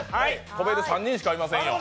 跳べるは３人しかいませんよ。